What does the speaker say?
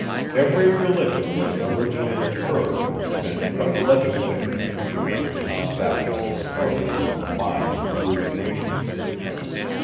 Every religion was originally a curb invented by legislators, who wished to establish their authority over the minds of rude nations.